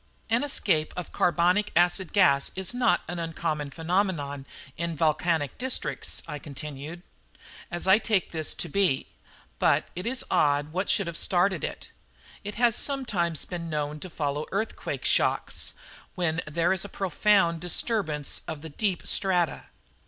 "An escape of carbonic acid gas is not an uncommon phenomenon in volcanic districts," I continued, "as I take this to be; but it is odd what should have started it. It has sometimes been known to follow earthquake shocks, when there is a profound disturbance of the deep strata."